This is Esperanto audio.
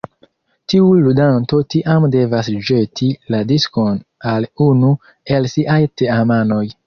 Tiu ludanto tiam devas ĵeti la diskon al unu el siaj teamanoj.